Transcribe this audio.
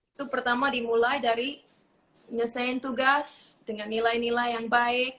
itu pertama dimulai dari nyesein tugas dengan nilai nilai yang baik